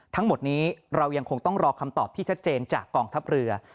ทั้งหมดนี้เรายังคงต้องรอคำตอบที่ชัดเจนจากกองทัพเรือ